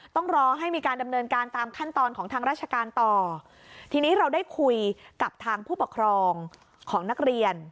ต้องรอให้มีการดำเนินการตามขั้นตอนของทางราชการต่อทีนี้เราได้คุยกับทางผู้ปกครองของนักเรียน